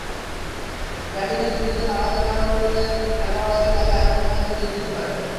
ব্যাটিংয়ে দুই-তিনজন আলাদা ধরনের খেলোয়াড় আছে, যারা একাই ম্যাচ জিতিয়ে দিতে পারে।